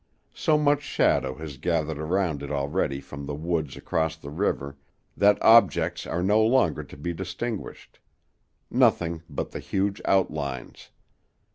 So much shadow has gathered around it already from the woods across the river that objects are no longer to be distinguished: nothing but the huge outlines.